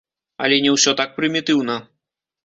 Але не ўсё так прымітыўна.